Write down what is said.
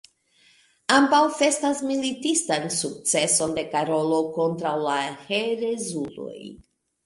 Ambaŭ festas militistan sukceson de Karolo kontraŭ la "herezuloj".